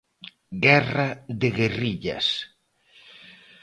Guerra de guerrillas.